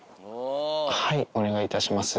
お願いいたします。